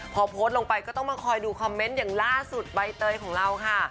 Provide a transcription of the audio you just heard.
พอโพสต์ลงไปก็ต้องมาคอยดูคอมเมนต์อย่างล่าสุดใบเตยของเราค่ะ